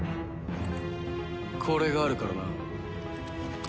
これがあるからな。